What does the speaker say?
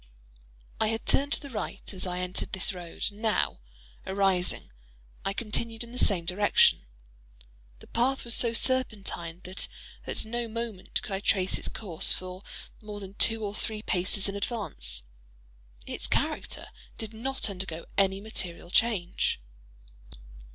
I had turned to the right as I entered this road, and now, arising, I continued in the same direction. The path was so serpentine, that at no moment could I trace its course for more than two or three paces in advance. Its character did not undergo any material change.